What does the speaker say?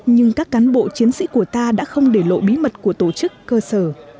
nhưng các cán bộ chiến sĩ của ta đã không để lộ bí mật của tổ chức cơ sở